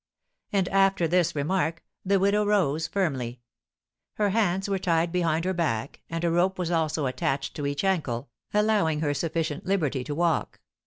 And after this remark the widow rose firmly. Her hands were tied behind her back, and a rope was also attached to each ankle, allowing her sufficient liberty to walk.